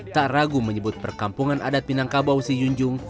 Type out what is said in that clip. tak ragu menyebut perkampungan adat minangkabau sijunjung